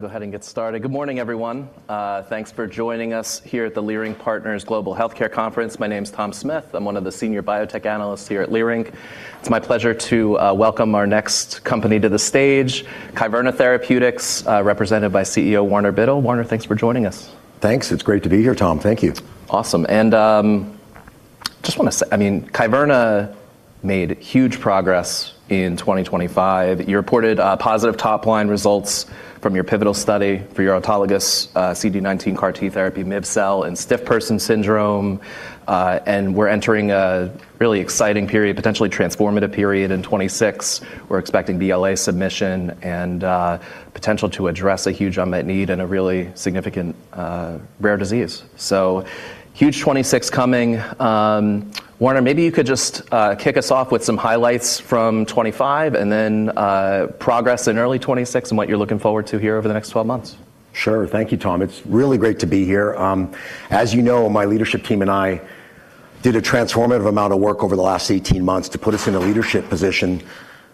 Go ahead and get started. Good morning, everyone, thanks for joining us here at the Leerink Partners Global Healthcare Conference. My name's Tom Smith. I'm one of the senior biotech analysts here at Leerink. It's my pleasure to welcome our next company to the stage, Kyverna Therapeutics, represented by CEO Warner Biddle. Warner, thanks for joining us. Thanks. It's great to be here, Tom. Thank you. Awesome. Just wanna say I mean, Kyverna made huge progress in 2025. You reported positive top-line results from your pivotal study for your autologous CD19 CAR T therapy, miv-cel, and stiff person syndrome. We're entering a really exciting period, potentially transformative period in 2026. We're expecting BLA submission and potential to address a huge unmet need in a really significant rare disease. Huge 2026 coming. Warner, maybe you could just kick us off with some highlights from 2025 and then progress in early 2026 and what you're looking forward to here over the next 12 months. Sure. Thank you, Tom. It's really great to be here. As you know, my leadership team and I did a transformative amount of work over the last 18 months to put us in a leadership position,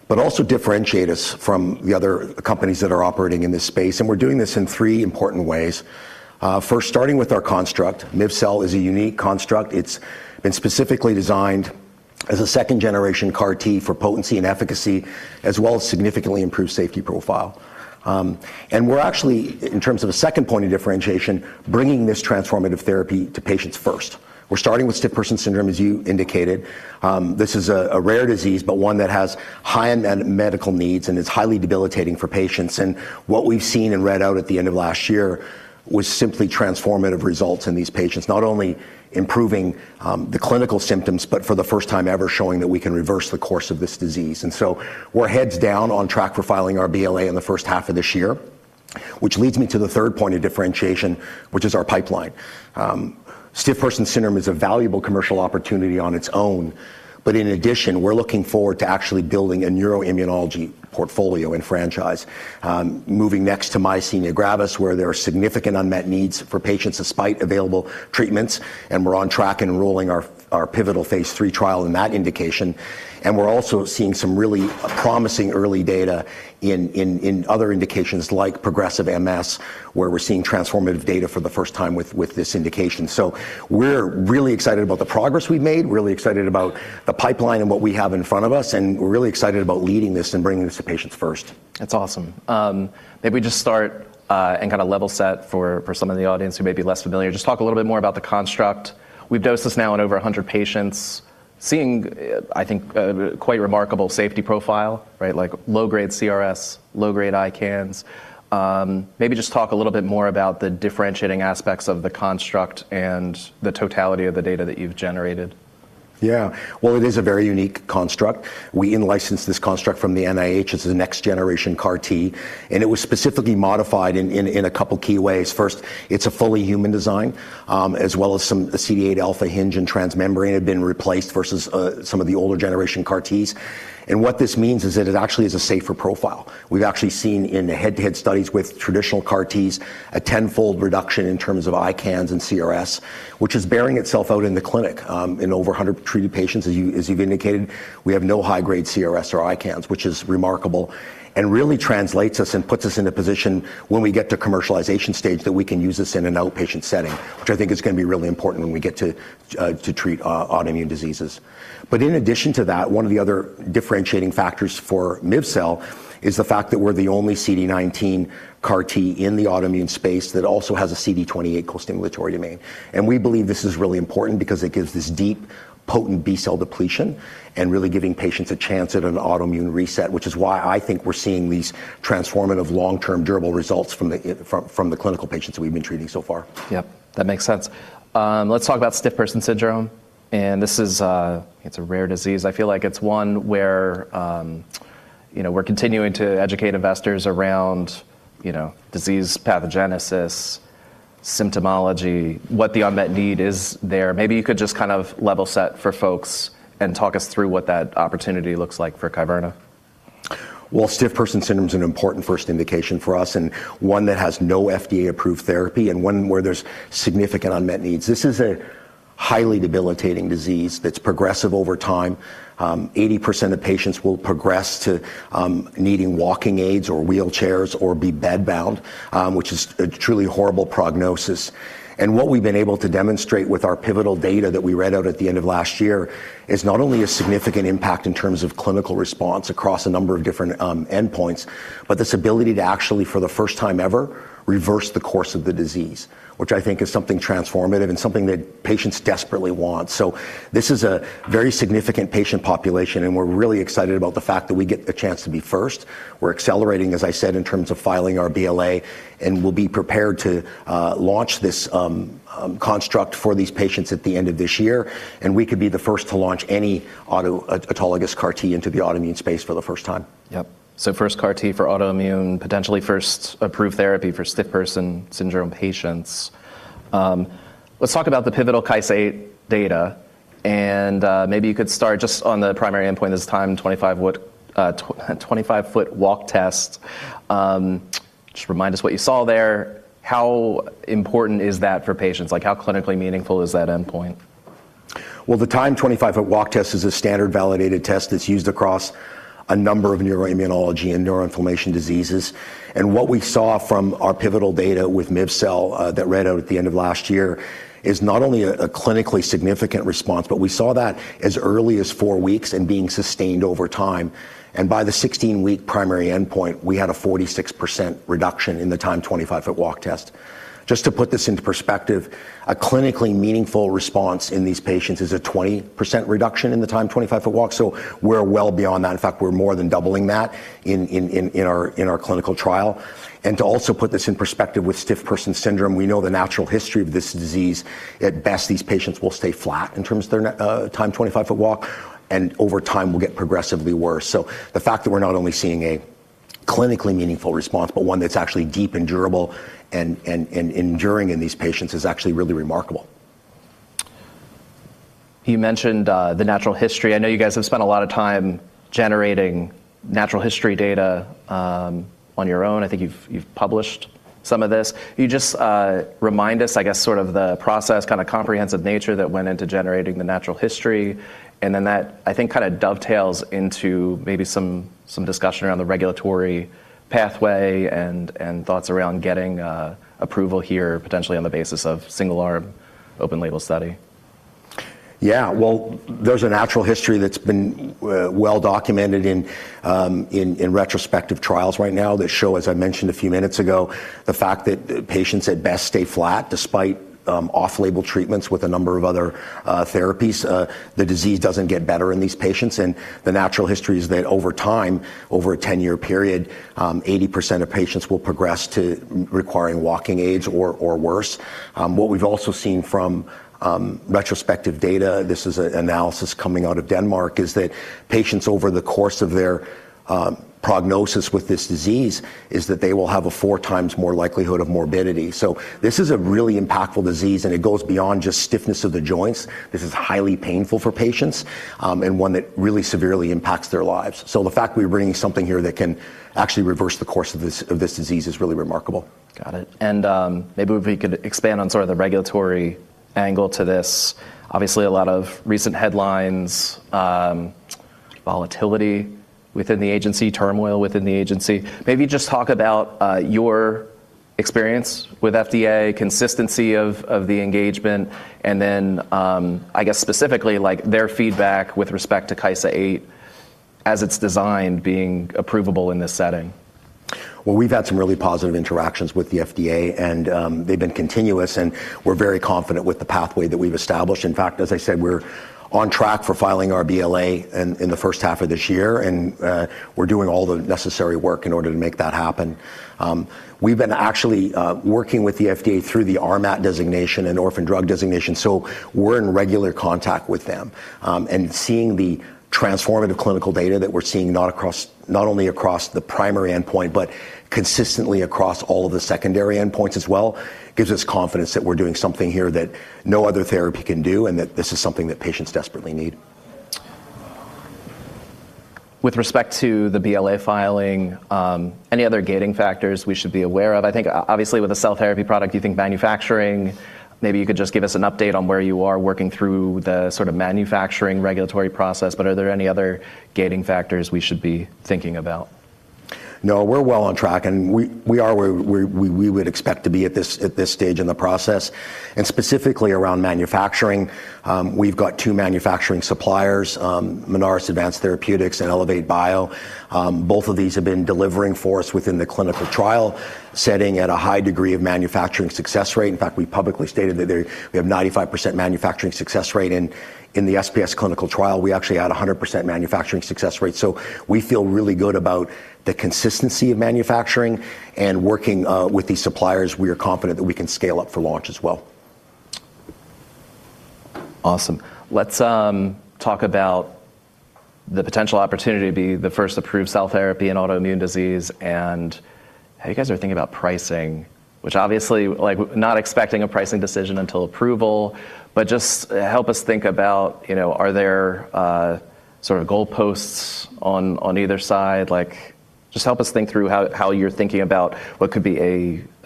but also differentiate us from the other companies that are operating in this space, and we're doing this in three important ways. First starting with our construct, miv-cel is a unique construct. It's been specifically designed as a second-generation CAR T for potency and efficacy, as well as significantly improved safety profile. We're actually, in terms of a second point of differentiation, bringing this transformative therapy to patients first. We're starting with stiff person syndrome, as you indicated. This is a rare disease, but one that has high unmet medical needs and is highly debilitating for patients. What we've seen and read out at the end of last year was simply transformative results in these patients, not only improving the clinical symptoms, but for the first time ever, showing that we can reverse the course of this disease. We're heads down on track for filing our BLA in the first half of this year, which leads me to the third point of differentiation, which is our pipeline. Stiff person syndrome is a valuable commercial opportunity on its own, but in addition, we're looking forward to actually building a neuroimmunology portfolio and franchise, moving next to myasthenia gravis, where there are significant unmet needs for patients despite available treatments, and we're on track enrolling our pivotal phase III trial in that indication. We're also seeing some really promising early data in other indications like progressive MS, where we're seeing transformative data for the first time with this indication. We're really excited about the progress we've made, really excited about the pipeline and what we have in front of us, and we're really excited about leading this and bringing this to patients first. That's awesome. Maybe just start, and kinda level set for some of the audience who may be less familiar. Just talk a little bit more about the construct. We've dosed this now in over 100 patients, seeing, I think, quite remarkable safety profile, right? Like low-grade CRS, low-grade ICANS. Maybe just talk a little bit more about the differentiating aspects of the construct and the totality of the data that you've generated. Yeah. Well, it is a very unique construct. We in-licensed this construct from the NIH as a next-generation CAR T, it was specifically modified in a couple key ways. First, it's a fully human design. The CD8α hinge and transmembrane had been replaced versus some of the older generation CAR Ts. What this means is that it actually is a safer profile. We've actually seen in the head-to-head studies with traditional CAR Ts a 10-fold reduction in terms of ICANS and CRS, which is bearing itself out in the clinic, in over 100 treated patients, as you've indicated. We have no high-grade CRS or ICANS, which is remarkable and really translates us and puts us in a position when we get to commercialization stage that we can use this in an outpatient setting, which I think is gonna be really important when we get to treat autoimmune diseases. In addition to that, one of the other differentiating factors for miv-cel is the fact that we're the only CD19 CAR T in the autoimmune space that also has a CD28 costimulatory domain. We believe this is really important because it gives this deep, potent B-cell depletion and really giving patients a chance at an autoimmune reset, which is why I think we're seeing these transformative long-term durable results from the clinical patients we've been treating so far. Yep. That makes sense. Let's talk about stiff person syndrome, and this is, it's a rare disease. I feel like it's one where, you know, we're continuing to educate investors around, you know, disease pathogenesis, symptomology, what the unmet need is there. Maybe you could just kind of level set for folks and talk us through what that opportunity looks like for Kyverna. Well, stiff person syndrome is an important first indication for us and one that has no FDA-approved therapy and one where there's significant unmet needs. This is a highly debilitating disease that's progressive over time. 80% of patients will progress to needing walking aids or wheelchairs or be bed-bound, which is a truly horrible prognosis. What we've been able to demonstrate with our pivotal data that we read out at the end of last year is not only a significant impact in terms of clinical response across a number of different endpoints, but this ability to actually, for the first time ever, reverse the course of the disease, which I think is something transformative and something that patients desperately want. This is a very significant patient population, and we're really excited about the fact that we get the chance to be first. We're accelerating, as I said, in terms of filing our BLA. We'll be prepared to launch this construct for these patients at the end of this year. We could be the first to launch any autologous CAR T into the autoimmune space for the first time. Yep. First CAR T for autoimmune, potentially first approved therapy for stiff person syndrome patients. Let's talk about the pivotal KYSA-8 data, maybe you could start just on the primary endpoint this 25-foot walk test. Just remind us what you saw there? How important is that for patients? Like, how clinically meaningful is that endpoint? The 25-foot walk test is a standard validated test that's used across a number of neuroimmunology and neuroinflammation diseases. What we saw from our pivotal data with miv-cel that read out at the end of last year, is not only a clinically significant response, but we saw that as early as four weeks and being sustained over time. By the 16-week primary endpoint, we had a 46% reduction in the 25-foot walk test. Just to put this into perspective, a clinically meaningful response in these patients is a 20% reduction in the 25-foot walk, so we're well beyond that. In fact, we're more than doubling that in our clinical trial. To also put this in perspective, with stiff person syndrome, we know the natural history of this disease. At best, these patients will stay flat in terms of their 25-foott walk and over time will get progressively worse. The fact that we're not only seeing a clinically meaningful response, but one that's actually deep and durable and enduring in these patients is actually really remarkable. You mentioned the natural history. I know you guys have spent a lot of time generating natural history data on your own. I think you've published some of this. Can you just remind us, I guess, sort of the process, kind of comprehensive nature that went into generating the natural history? That, I think, kind of dovetails into maybe some discussion around the regulatory pathway and thoughts around getting approval here, potentially on the basis of single-arm open label study. Well, there's a natural history that's been well documented in, in retrospective trials right now that show, as I mentioned a few minutes ago, the fact that patients at best stay flat despite off-label treatments with a number of other therapies. The disease doesn't get better in these patients. The natural history is that over time, over a 10-year period, 80% of patients will progress to requiring walking aids or worse. What we've also seen from retrospective data, this is an analysis coming out of Denmark, is that patients over the course of their prognosis with this disease is that they will have a 4x more likelihood of morbidity. This is a really impactful disease, and it goes beyond just stiffness of the joints. This is highly painful for patients, and one that really severely impacts their lives. The fact that we're bringing something here that can actually reverse the course of this disease is really remarkable. Got it. Maybe if you could expand on sort of the regulatory angle to this. Obviously, a lot of recent headlines, volatility within the agency, turmoil within the agency. Maybe just talk about your experience with FDA, consistency of the engagement, and then I guess specifically, like, their feedback with respect to KYSA-8 as it's designed being approvable in this setting. Well, we've had some really positive interactions with the FDA, they've been continuous, we're very confident with the pathway that we've established. In fact, as I said, we're on track for filing our BLA in the first half of this year, we're doing all the necessary work in order to make that happen. We've been actually working with the FDA through the RMAT designation and orphan drug designation, so we're in regular contact with them. Seeing the transformative clinical data that we're seeing not only across the primary endpoint, but consistently across all of the secondary endpoints as well, gives us confidence that we're doing something here that no other therapy can do and that this is something that patients desperately need. With respect to the BLA filing, any other gating factors we should be aware of? I think obviously with a cell therapy product, you think manufacturing, maybe you could just give us an update on where you are working through the sort of manufacturing regulatory process, but are there any other gating factors we should be thinking about? No, we're well on track, we are where we would expect to be at this stage in the process. Specifically around manufacturing, we've got two manufacturing suppliers, Minaris Advanced Therapies and ElevateBio. Both of these have been delivering for us within the clinical trial setting at a high degree of manufacturing success rate. In fact, we publicly stated that we have 95% manufacturing success rate in the SPS clinical trial. We actually had 100% manufacturing success rate. We feel really good about the consistency of manufacturing and working with these suppliers. We are confident that we can scale up for launch as well. Awesome. Let's talk about the potential opportunity to be the first approved cell therapy in autoimmune disease and how you guys are thinking about pricing, which obviously, like, not expecting a pricing decision until approval, but just help us think about, you know, are there sort of goalposts on either side? Like, just help us think through how you're thinking about what could be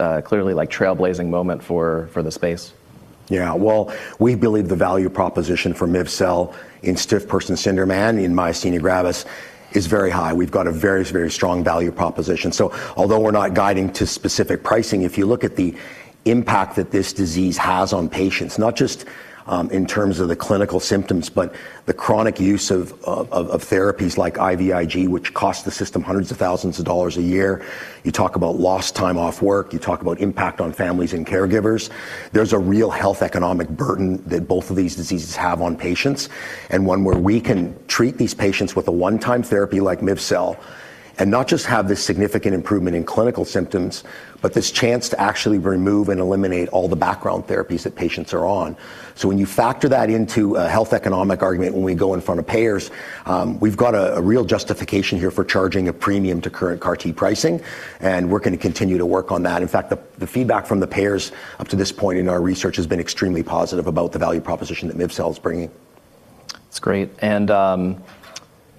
a clearly like trailblazing moment for the space. Well, we believe the value proposition for miv-cel in stiff person syndrome and in myasthenia gravis is very high. We've got a very, very strong value proposition. Although we're not guiding to specific pricing, if you look at the impact that this disease has on patients, not just in terms of the clinical symptoms, but the chronic use of therapies like IVIG, which costs the system hundreds of thousands of dollars a year. Talk about lost time off work, talk about impact on families and caregivers. There's a real health economic burden that both of these diseases have on patients, one where we can treat these patients with a one-time therapy like miv-cel, and not just have this significant improvement in clinical symptoms, but this chance to actually remove and eliminate all the background therapies that patients are on. When you factor that into a health economic argument, when we go in front of payers, we've got a real justification here for charging a premium to current CAR T pricing, and we're gonna continue to work on that. In fact, the feedback from the payers up to this point in our research has been extremely positive about the value proposition that miv-cel is bringing. That's great.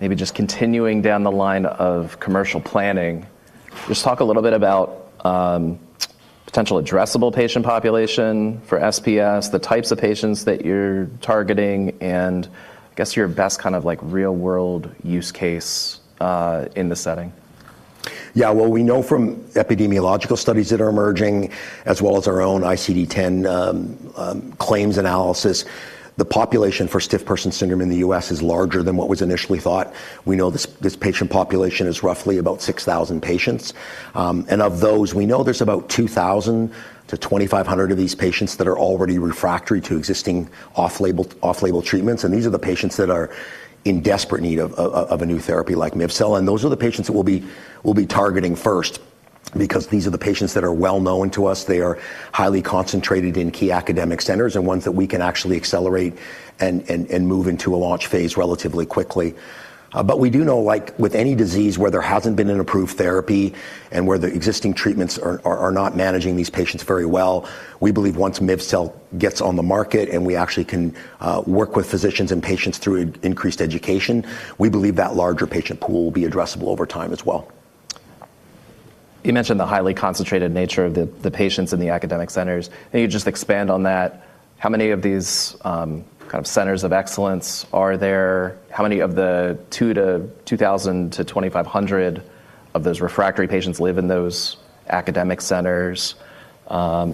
Maybe just continuing down the line of commercial planning, just talk a little bit about potential addressable patient population for SPS, the types of patients that you're targeting, and I guess your best kind of like real-world use case in the setting? Yeah. Well, we know from epidemiological studies that are emerging, as well as our own ICD-10 claims analysis, the population for stiff person syndrome in the U.S. is larger than what was initially thought. We know this patient population is roughly about 6,000 patients. Of those, we know there's about 2,000-2,500 of these patients that are already refractory to existing off-label treatments. These are the patients that are in desperate need of a new therapy like miv-cel. Those are the patients that we'll be targeting first because these are the patients that are well known to us. They are highly concentrated in key academic centers and ones that we can actually accelerate and move into a launch phase relatively quickly. We do know, like with any disease where there hasn't been an approved therapy and where the existing treatments are not managing these patients very well, we believe once miv-cel gets on the market and we actually can work with physicians and patients through increased education, we believe that larger patient pool will be addressable over time as well. You mentioned the highly concentrated nature of the patients in the academic centers. Can you just expand on that? How many of these, kind of centers of excellence are there? How many of the 2,000-2,500 of those refractory patients live in those academic centers?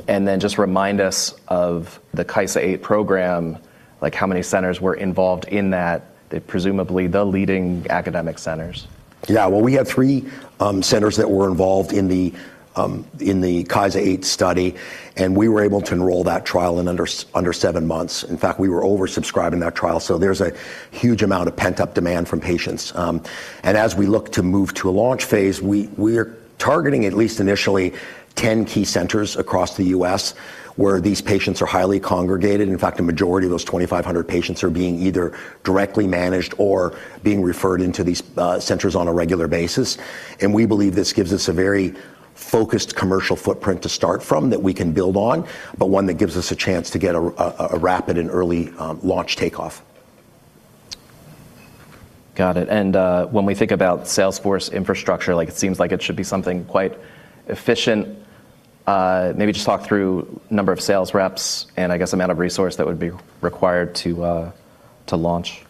Just remind us of the KYSA-8 program, like how many centers were involved in that, presumably the leading academic centers? Yeah. Well, we had three centers that were involved in the KYSA-8 study. We were able to enroll that trial in under seven months. In fact, we were oversubscribed in that trial. There's a huge amount of pent-up demand from patients. As we look to move to a launch phase, we're targeting at least initially 10 key centers across the U.S. where these patients are highly congregated. In fact, a majority of those 2,500 patients are being either directly managed or being referred into these centers on a regular basis. We believe this gives us a very focused commercial footprint to start from that we can build on, but one that gives us a chance to get a rapid and early launch takeoff. Got it. When we think about sales force infrastructure, like it seems like it should be something quite efficient. Maybe just talk through number of sales reps and I guess amount of resource that would be required to launch.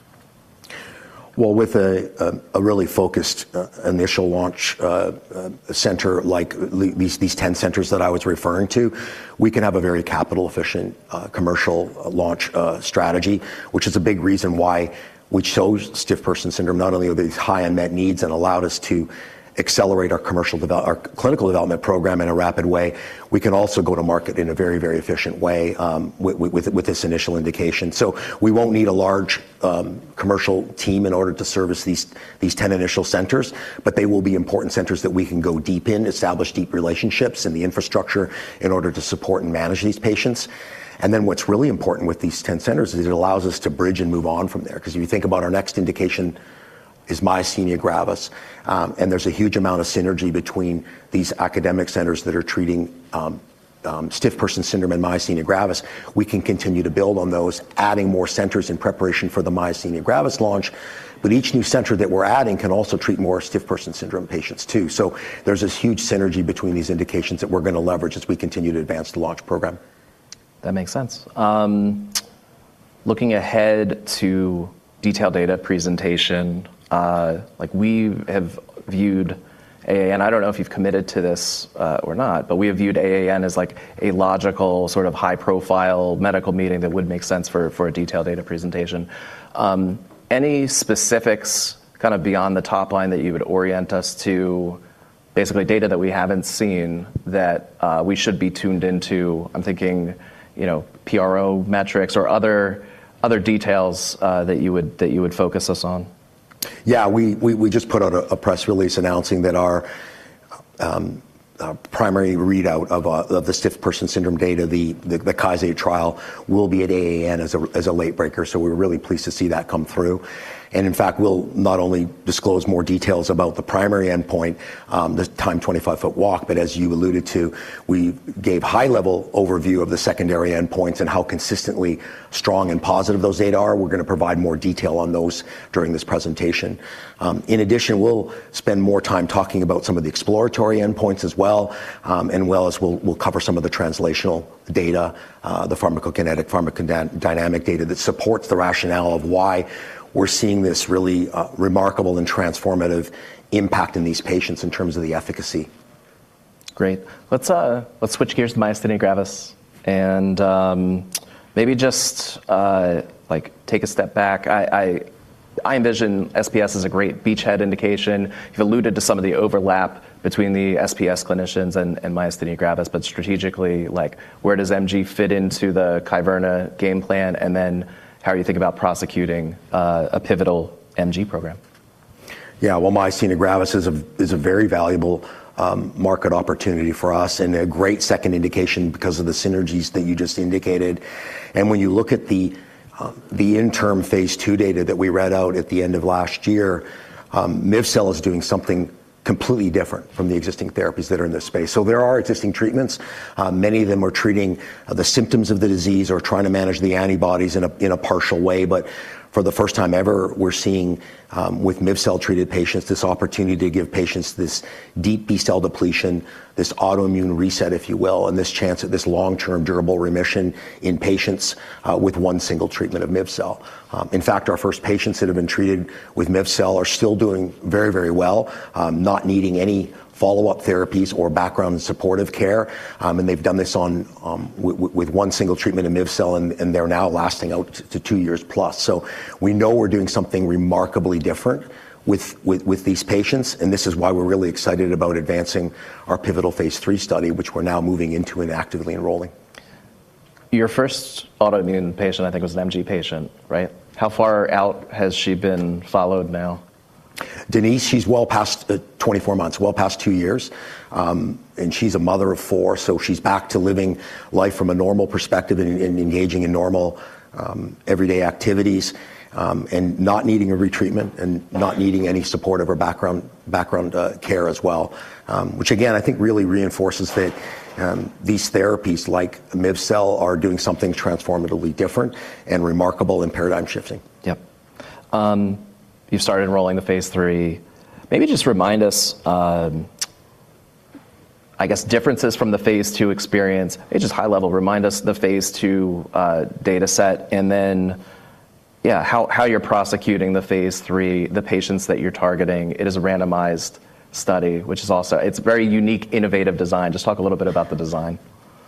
Well, with a really focused initial launch center like these 10 centers that I was referring to, we can have a very capital efficient commercial launch strategy, which is a big reason why we chose stiff person syndrome. Not only are these high unmet needs and allowed us to accelerate our commercial clinical development program in a rapid way, we can also go to market in a very efficient way, with this initial indication. We won't need a large commercial team in order to service these 10 initial centers, but they will be important centers that we can go deep in, establish deep relationships and the infrastructure in order to support and manage these patients. What's really important with these 10 centers is it allows us to bridge and move on from there. Because if you think about our next indication is myasthenia gravis, there's a huge amount of synergy between these academic centers that are treating stiff person syndrome and myasthenia gravis. We can continue to build on those, adding more centers in preparation for the myasthenia gravis launch. Each new center that we're adding can also treat more stiff person syndrome patients too. There's this huge synergy between these indications that we're gonna leverage as we continue to advance the launch program. That makes sense. Looking ahead to detailed data presentation, like we have viewed AAN, and I don't know if you've committed to this or not, but we have viewed AAN as like a logical sort of high-profile medical meeting that would make sense for a detailed data presentation. Any specifics kind of beyond the top line that you would orient us to basically data that we haven't seen that we should be tuned into? I'm thinking, you know, PRO metrics or other details that you would focus us on. Yeah. We just put out a press release announcing that our primary readout of the stiff person syndrome data, the KYSA-8 trial will be at AAN as a late breaker. We're really pleased to see that come through. In fact, we'll not only disclose more details about the primary endpoint, the 25-foot walk, but as you alluded to, we gave high-level overview of the secondary endpoints and how consistently strong and positive those data are. We're gonna provide more detail on those during this presentation. In addition, we'll spend more time talking about some of the exploratory endpoints as well, and well as we'll cover some of the translational data, the pharmacokinetic, pharmacodynamic data that supports the rationale of why we're seeing this really remarkable and transformative impact in these patients in terms of the efficacy. Great. Let's switch gears to myasthenia gravis and maybe just like take a step back. I envision SPS as a great beachhead indication. You've alluded to some of the overlap between the SPS clinicians and myasthenia gravis. Strategically, like, where does MG fit into the Kyverna game plan? How are you thinking about prosecuting a pivotal MG program? Yeah. Well, myasthenia gravis is a very valuable market opportunity for us and a great second indication because of the synergies that you just indicated. When you look at the interim phase II data that we read out at the end of last year, miv-cel is doing something completely different from the existing therapies that are in this space. There are existing treatments. Many of them are treating the symptoms of the disease or trying to manage the antibodies in a partial way. For the first time ever, we're seeing with miv-cel-treated patients, this opportunity to give patients this deep B-cell depletion, this autoimmune reset, if you will, and this chance at this long-term durable remission in patients with one single treatment of miv-cel. In fact, our first patients that have been treated with miv-cel are still doing very, very well, not needing any follow-up therapies or background supportive care. They've done this with one single treatment of miv-cel and they're now lasting out to two years-plus. We know we're doing something remarkably different with these patients, and this is why we're really excited about advancing our pivotal phase III study, which we're now moving into and actively enrolling. Your first autoimmune patient, I think, was an MG patient, right? How far out has she been followed now? Denise, she's well past 24 months. Well past two years. And she's a mother of four, so she's back to living life from a normal perspective and engaging in normal everyday activities, and not needing a retreatment and not needing any support of her background care as well. Which again, I think really reinforces that these therapies like miv-cel are doing something transformatively different and remarkable and paradigm shifting. Yep. You've started enrolling the phase III. Maybe just remind us, I guess differences from the phase II experience. Just high level, remind us the phase II data set and then, yeah, how you're prosecuting the phase III, the patients that you're targeting. It is a randomized study. It's a very unique, innovative design. Just talk a little bit about the design.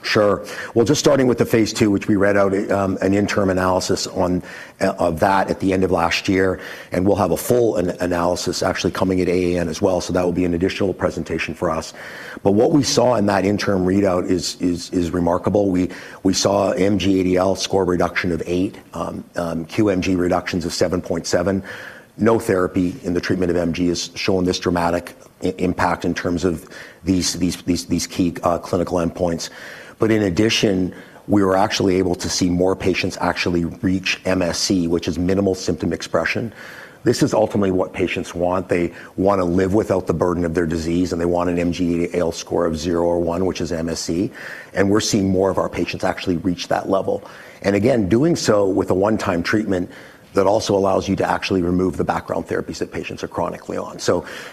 Sure. Well, just starting with the phase II, which we read out, an interim analysis on that at the end of last year, and we'll have a full analysis actually coming at AAN as well, that will be an additional presentation for us. What we saw in that interim readout is remarkable. We saw an MG ADL score reduction of 8, QMG reductions of 7.7. No therapy in the treatment of MG has shown this dramatic impact in terms of these key clinical endpoints. In addition, we were actually able to see more patients actually reach MSE, which is minimal symptom expression. This is ultimately what patients want. They wanna live without the burden of their disease, and they want an MG ADL score of 0 or 1, which is MSE. We're seeing more of our patients actually reach that level. Again, doing so with a one-time treatment that also allows you to actually remove the background therapies that patients are chronically on.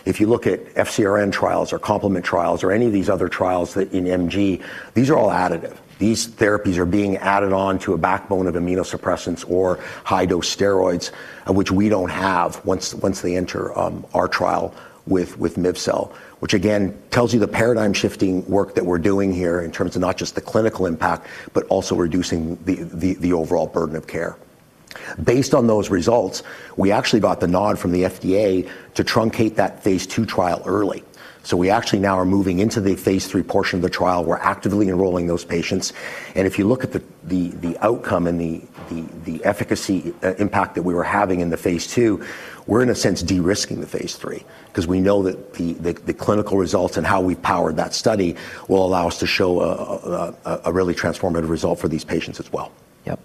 If you look at FcRn trials or complement trials or any of these other trials that in MG, these are all additive. These therapies are being added on to a backbone of immunosuppressants or high-dose steroids, which we don't have once they enter our trial with miv-cel. Again, tells you the paradigm-shifting work that we're doing here in terms of not just the clinical impact, but also reducing the overall burden of care. Based on those results, we actually got the nod from the FDA to truncate that phase II trial early. We actually now are moving into the phase III portion of the trial. We're actively enrolling those patients. If you look at the outcome and the efficacy impact that we were having in the phase II, we're in a sense de-risking the phase III because we know that the clinical results and how we powered that study will allow us to show a really transformative result for these patients as well. Yep.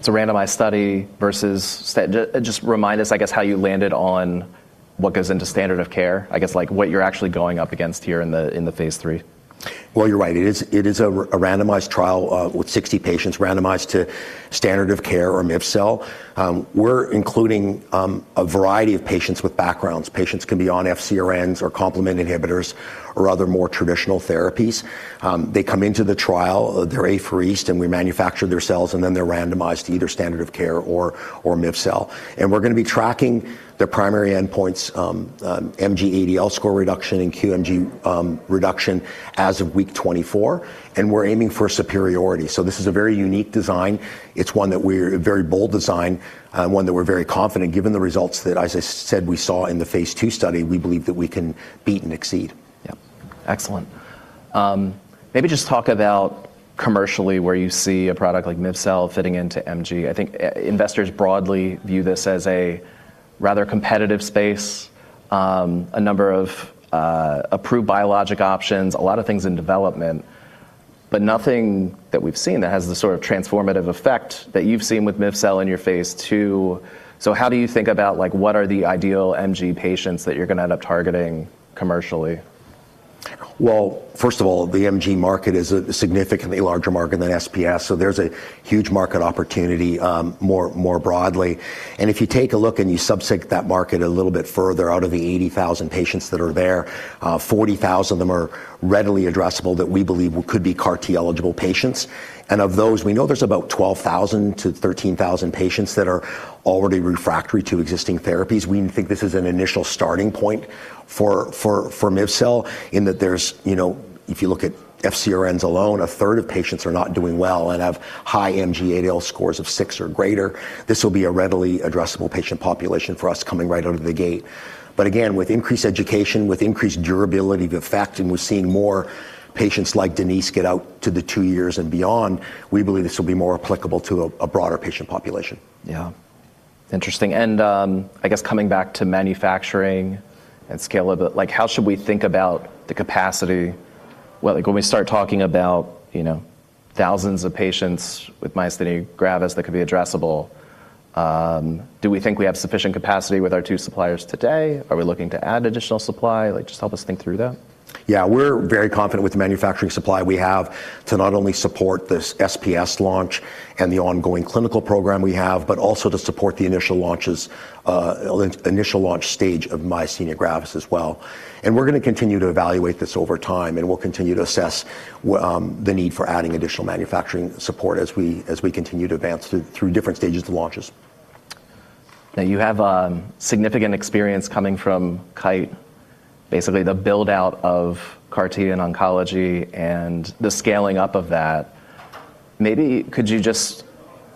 It's a randomized study versus just remind us, I guess, how you landed on what goes into standard of care? I guess, like, what you're actually going up against here in the, in the phase III? Well, you're right. It is a randomized trial with 60 patients randomized to standard of care or miv-cel. We're including a variety of patients with backgrounds. Patients can be on FcRns or complement inhibitors or other more traditional therapies. They come into the trial, they're apheresed, and we manufacture their cells, then they're randomized to either standard of care or miv-cel. We're gonna be tracking the primary endpoints, MG ADL score reduction and QMG reduction as of week 24, and we're aiming for superiority. This is a very unique design. It's one that we're a very bold design, one that we're very confident. Given the results that, as I said we saw in the phase II study, we believe that we can beat and exceed. Yep. Excellent. Maybe just talk about commercially where you see a product like miv-cel fitting into MG. I think investors broadly view this as a rather competitive space, a number of approved biologic options, a lot of things in development, but nothing that we've seen that has the sort of transformative effect that you've seen with miv-cel in your phase II. How do you think about, like, what are the ideal MG patients that you're gonna end up targeting commercially? Well, first of all, the MG market is a significantly larger market than SPS, so there's a huge market opportunity, more broadly. If you take a look and you sub-seg that market a little bit further, out of the 80,000 patients that are there, 40,000 of them are readily addressable that we believe could be CAR T eligible patients. Of those, we know there's about 12,000-13,000 patients that are already refractory to existing therapies. We think this is an initial starting point for miv-cel in that there's, you know, if you look at FcRns alone, a third of patients are not doing well and have high MG ADL scores of 6 or greater. This will be a readily addressable patient population for us coming right out of the gate. Again, with increased education, with increased durability, the fact that we're seeing more patients like Denise get out to the two years and beyond, we believe this will be more applicable to a broader patient population. Yeah. Interesting. I guess coming back to manufacturing and scale a bit, like, how should we think about the capacity. Well, like when we start talking about, you know, thousands of patients with myasthenia gravis that could be addressable, do we think we have sufficient capacity with our two suppliers today? Are we looking to add additional supply? Like, just help us think through that. Yeah. We're very confident with the manufacturing supply we have to not only support this SPS launch and the ongoing clinical program we have, but also to support the initial launch stage of myasthenia gravis as well. We're gonna continue to evaluate this over time, and we'll continue to assess the need for adding additional manufacturing support as we continue to advance through different stages of the launches. Now, you have significant experience coming from Kite, basically the build-out of CAR T and oncology and the scaling up of that. Maybe could you just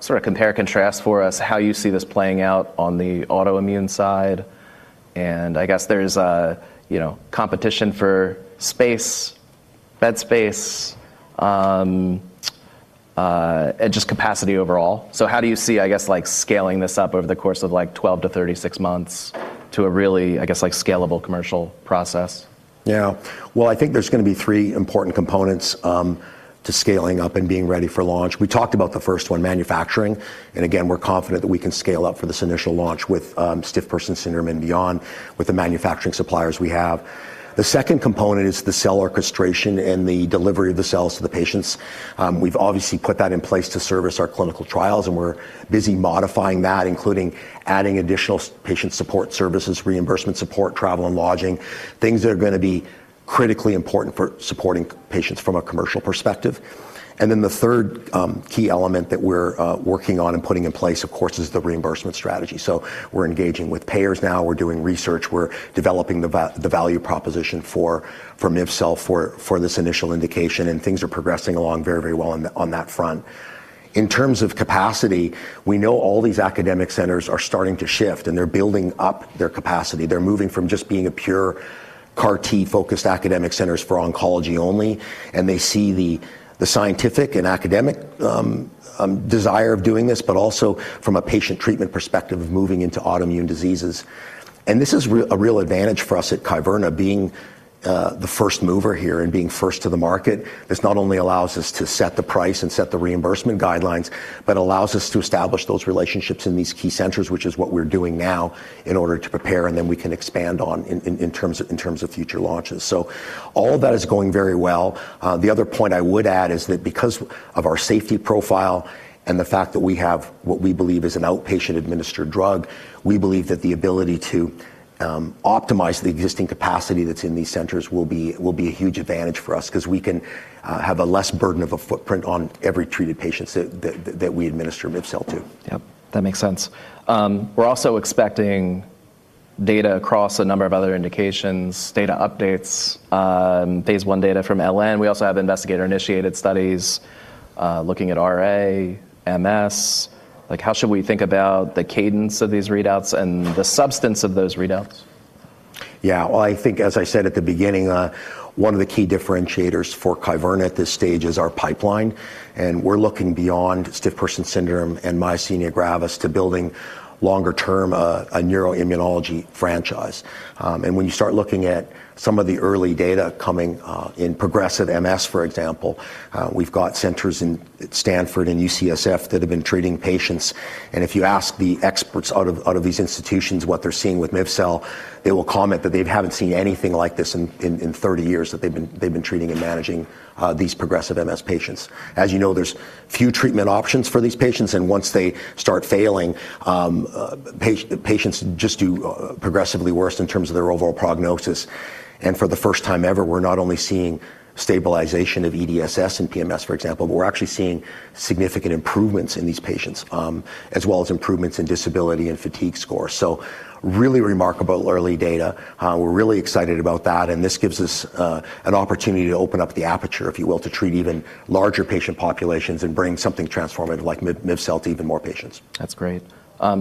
sort of compare and contrast for us how you see this playing out on the autoimmune side? I guess there's, you know, competition for space, bed space, and just capacity overall. How do you see, I guess, like scaling this up over the course of like 12-36 months to a really, I guess, like scalable commercial process? Yeah. Well, I think there's gonna be three important components to scaling up and being ready for launch. We talked about the first one, manufacturing, and again, we're confident that we can scale up for this initial launch with stiff person syndrome and beyond with the manufacturing suppliers we have. The second component is the cell orchestration and the delivery of the cells to the patients. We've obviously put that in place to service our clinical trials, and we're busy modifying that, including adding additional patient support services, reimbursement support, travel and lodging, things that are gonna be critically important for supporting patients from a commercial perspective. The third key element that we're working on and putting in place, of course, is the reimbursement strategy. We're engaging with payers now. We're doing research. We're developing the value proposition for miv-cel for this initial indication. Things are progressing along very, very well on that front. In terms of capacity, we know all these academic centers are starting to shift. They're building up their capacity. They're moving from just being a pure CAR T-focused academic centers for oncology only. They see the scientific and academic desire of doing this, but also from a patient treatment perspective of moving into autoimmune diseases. This is a real advantage for us at Kyverna, being the first mover here and being first to the market. This not only allows us to set the price and set the reimbursement guidelines but allows us to establish those relationships in these key centers, which is what we're doing now in order to prepare, and then we can expand on in terms of future launches. All of that is going very well. The other point I would add is that because of our safety profile and the fact that we have what we believe is an outpatient-administered drug, we believe that the ability to optimize the existing capacity that's in these centers will be a huge advantage for us 'cause we can have a less burden of a footprint on every treated patient that we administer miv-cel to. Yep. That makes sense. We're also expecting data across a number of other indications, data updates, phase I data from LN. We also have investigator-initiated studies looking at RA, MS. How should we think about the cadence of these readouts and the substance of those readouts? Yeah. Well, I think as I said at the beginning, one of the key differentiators for Kyverna at this stage is our pipeline, and we're looking beyond stiff person syndrome and myasthenia gravis to building longer-term, a neuroimmunology franchise. When you start looking at some of the early data coming, in progressive MS, for example, we've got centers at Stanford and UCSF that have been treating patients, and if you ask the experts out of these institutions what they're seeing with miv-cel, they will comment that they haven't seen anything like this in 30 years that they've been treating and managing these progressive MS patients. As you know, there's few treatment options for these patients, once they start failing, patients just do progressively worse in terms of their overall prognosis. For the first time ever, we're not only seeing stabilization of EDSS and PMS, for example, but we're actually seeing significant improvements in these patients, as well as improvements in disability and fatigue score. Really remarkable early data. We're really excited about that, and this gives us an opportunity to open up the aperture, if you will, to treat even larger patient populations and bring something transformative like miv-cel to even more patients. That's great.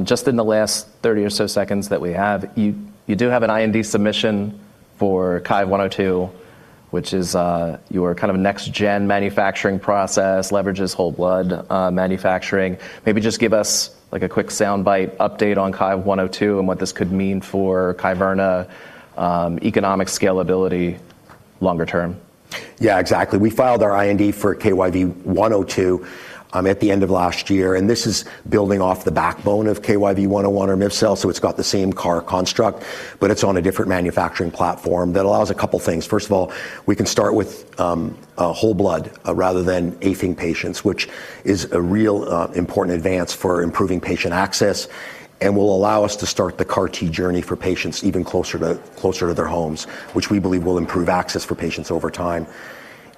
Just in the last 30 or so seconds that we have, you do have an IND submission for KYV-102, which is your kind of next-gen manufacturing process, leverages whole blood manufacturing. Maybe just give us like a quick sound bite update on KYV-102 and what this could mean for Kyverna economic scalability longer term. Yeah, exactly. We filed our IND for KYV-102 at the end of last year. This is building off the backbone of KYV-101 or miv-cel, it's got the same CAR construct, but it's on a different manufacturing platform that allows a couple things. First of all, we can start with whole blood rather than apheresis patients, which is a real important advance for improving patient access and will allow us to start the CAR T journey for patients even closer to their homes, which we believe will improve access for patients over time.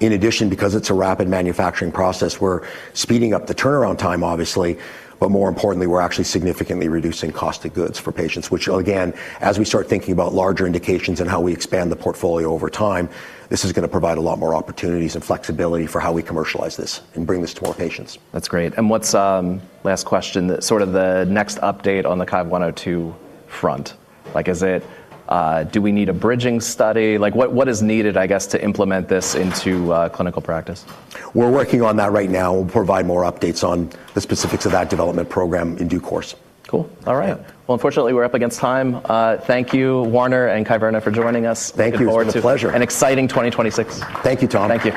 In addition, because it's a rapid manufacturing process, we're speeding up the turnaround time, obviously, but more importantly, we're actually significantly reducing cost of goods for patients, which again, as we start thinking about larger indications and how we expand the portfolio over time, this is gonna provide a lot more opportunities and flexibility for how we commercialize this and bring this to more patients. That's great. What's, last question, sort of the next update on the KYV-102 front? Like, is it, do we need a bridging study? Like, what is needed, I guess, to implement this into, clinical practice? We're working on that right now. We'll provide more updates on the specifics of that development program in due course. Cool. All right. Yeah. Well, unfortunately, we're up against time. Thank you, Warner and Kyverna, for joining us. Thank you. It's a pleasure. Look forward to an exciting 2026. Thank you, Tom. Thank you.